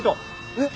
えっ？